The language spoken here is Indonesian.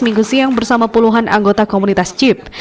minggu siang bersama puluhan anggota komunitas chip